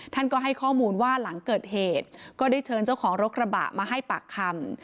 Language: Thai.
ท่านก็ให้ข้อมูลว่าหลังเกิดเหตุก็ได้เชิญเจ้าของรถกระบะมาให้ปากคำ